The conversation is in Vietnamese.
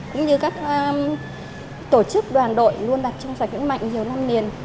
cũng như các tổ chức đoàn đội luôn đạt trong sạch vững mạnh nhiều năm niền